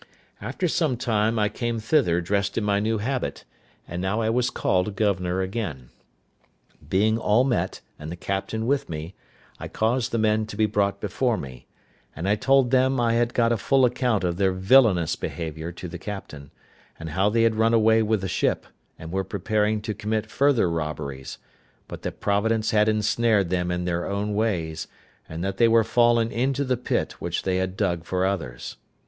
After some time, I came thither dressed in my new habit; and now I was called governor again. Being all met, and the captain with me, I caused the men to be brought before me, and I told them I had got a full account of their villainous behaviour to the captain, and how they had run away with the ship, and were preparing to commit further robberies, but that Providence had ensnared them in their own ways, and that they were fallen into the pit which they had dug for others.